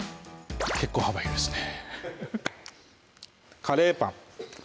結構幅広いですね